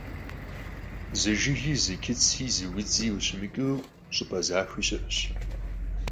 Zı jjıgi, zı çıtsi, zı vudzi khışımıç'ıu ş'ıp'e zaxui şı'eş.